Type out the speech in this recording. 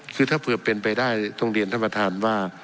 คือถ้าเผื่อเป็นไปได้ต้องเรียนท่านประธานว่า